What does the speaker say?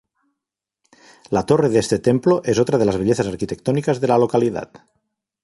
La torre de este templo es otra de las bellezas arquitectónicas de la localidad.